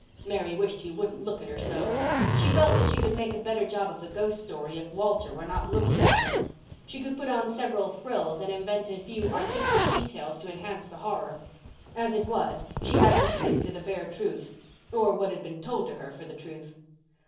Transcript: Mary wished he wouldn't look at her so. She felt she could make a better job of the ghost story if Walter were not looking at her. She could put on several frills and invent a few artistic details to enhance the horror. As it was, she had to stick to the bare truth—or what had been told her for the truth.